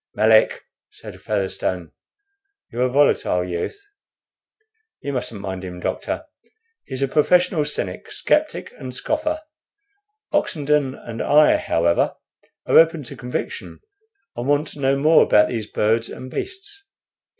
"Melick," said Featherstone, "you're a volatile youth. You mustn't mind him, doctor. He's a professional cynic, sceptic, and scoffer. Oxenden and I, however, are open to conviction, and want to know more about those birds and beasts.